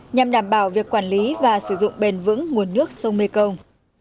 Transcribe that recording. nhằm đảm bảo việc quản lý và sử dụng bền vững nguồn nước sông mê công